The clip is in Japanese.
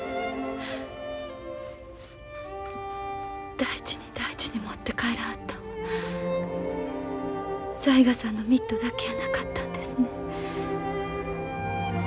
大事に大事に持って帰らはったんは雑賀さんのミットだけやなかったんですね。